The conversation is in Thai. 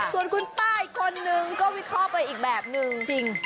ส่วนคุณป้าอีกคนนึงก็วิเคราะห์ไปอีกแบบนึงจริง